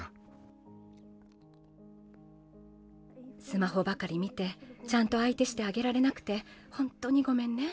スマホばかり見てちゃんとあい手してあげられなくてほんとにごめんね。